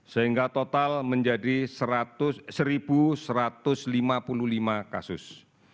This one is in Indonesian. sehingga total menjadi satu satu ratus lima puluh lima kasus